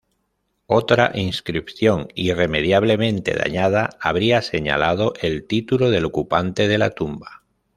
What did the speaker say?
Otra inscripción, irremediablemente dañada, habría señalado el título del ocupante de la tumba.